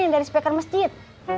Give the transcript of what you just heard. dari speaker masjid